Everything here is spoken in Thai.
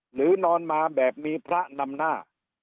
นอนมาแบบมีพระนำหน้า